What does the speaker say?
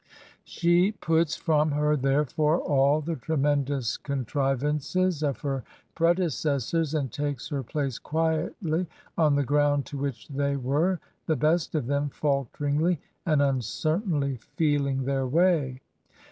She puts from her, therefore, all the tremendous contrivances of her prede cessors, and takes her place quietly on the ground to which they were, the best of them, f alteringly and un certainly feeling their way.